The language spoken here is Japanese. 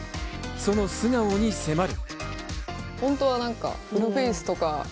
その素顔に迫る。